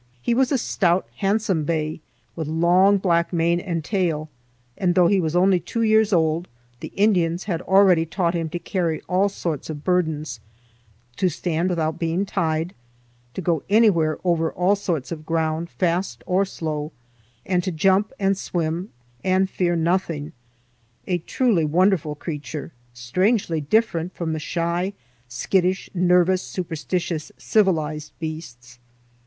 He was a stout handsome bay with long black mane and tail, and, though he was only two years old, the Indians had already taught him to carry all sorts of burdens, to stand without being tied, to go anywhere over all sorts of ground fast or slow, and to jump and swim and fear nothing,—a truly wonderful creature, strangely different from shy, skittish, nervous, superstitious civilized beasts.